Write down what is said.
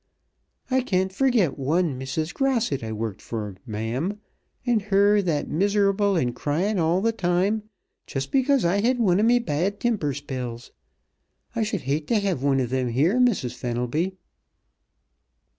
I can't forget one Mrs. Grasset I worked for, ma'am, an' her that miserable an' cryin' all th' time, just because I had one of me bad timper spells. I should hate t' have one of thim here, Mrs. Fenelby."